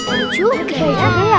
oh juga ya